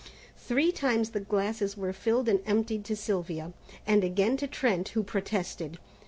Three times the glasses were filled and emptied to Sylvia, and again to Trent, who protested.